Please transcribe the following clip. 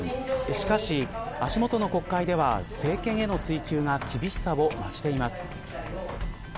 しかし、足元の国会では政権への追及が厳しさを増しています。